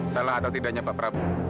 salah atau tidaknya pak prabowo